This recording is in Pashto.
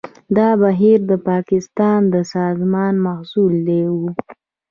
دا بهیر د پاکستان د سازمان محصول و.